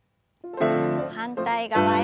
反対側へ。